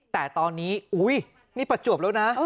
แต่ตอนนี้อุ๊ยนี่ประจวบแล้วนะ